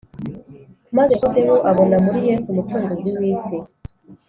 maze Nikodemo abona muri Yesu Umucunguzi w’isi